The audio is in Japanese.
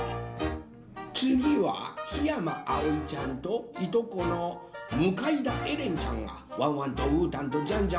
つぎはひやまあおいちゃんといとこのむかいだえれんちゃんがワンワンとうーたんとジャンジャン